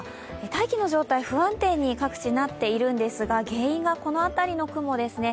大気の状態、不安定に各地なっているんですが原因がこの辺りの雲ですね